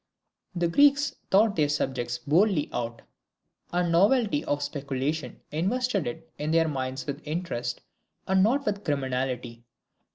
The Greeks thought their subjects boldly out; and the novelty of a speculation invested it in their minds with interest, and not with criminality.